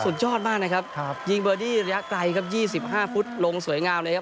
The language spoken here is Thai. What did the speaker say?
สุดยอดมากนะครับยิงเบอร์ดี้ระยะไกลครับ๒๕ฟุตลงสวยงามเลยครับ